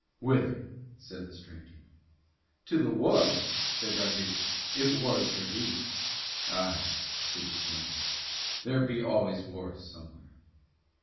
"Whither?" said the stranger. "To the wars," said Rodriguez, "if wars there be." "Aye," said the stranger, "there be always wars somewhere.